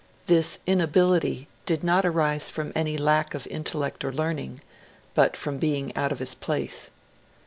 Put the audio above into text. This inability did not arise from any lack of intellect or learning, but from being out of his place.